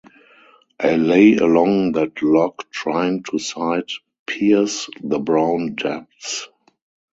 I lay along that log trying to sight-pierce the brown depths.